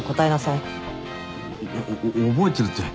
いや覚えてるって